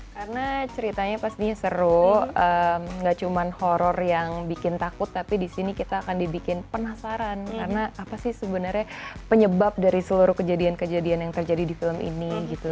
karena ceritanya pastinya seru gak cuman horror yang bikin takut tapi disini kita akan dibikin penasaran karena apa sih sebenarnya penyebab dari seluruh kejadian kejadian yang terjadi di film ini gitu